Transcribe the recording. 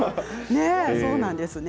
そうなんですね。